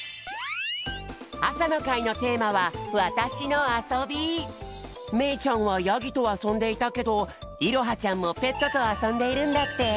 あさのかいのテーマはめいちゃんはヤギとあそんでいたけどいろはちゃんもペットとあそんでいるんだって。